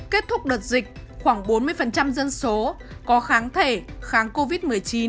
kết thúc đợt dịch khoảng bốn mươi dân số có kháng thể kháng covid một mươi chín